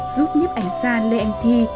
giúp nhấp ảnh gia lê anh thi